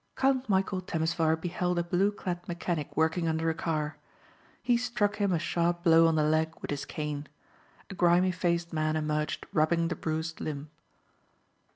Count Michæl Temesvar beheld a blue clad mechanic working under a car. He struck him a sharp blow on the leg with his cane. A grimy faced man emerged rubbing the bruised limb.